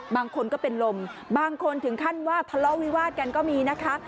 บางคนก็เป็นลมบางคนถึงขั้นว่าทะเลาะวิวาดกันก็มีนะคะ